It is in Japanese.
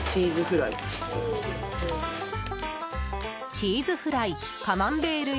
チーズフライカマンベール入。